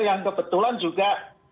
yang kebetulan juga